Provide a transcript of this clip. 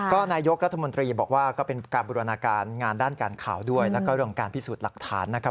ก็นายกรัฐมนตรีบอกว่าก็เป็นการบูรณาการงานด้านการข่าวด้วยแล้วก็เรื่องการพิสูจน์หลักฐานนะครับ